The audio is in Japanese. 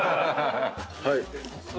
はい。